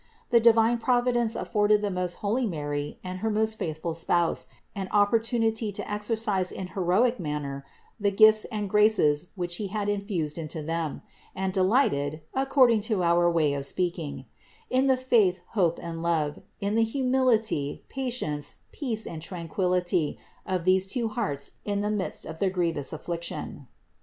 The divine Providence afforded the most holy Mary and her most faithful Spouse an opportunity to exercise in a heroic manner the gifts and graces which He had infused into them, and delighted, (according to our way of speaking), in the faith, hope and love, in the humility, patience, peace and tranquillity of these two hearts in the midst of their grievous affliction.